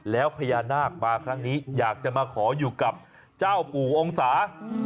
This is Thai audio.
แล้วพญานาคมาครั้งนี้อยากจะมาขออยู่กับเจ้าปู่องศา